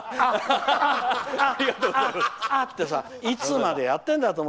いつまでやってんだ